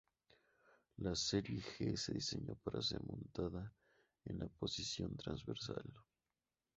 La serie J se diseñó para ser montada en posición transversal.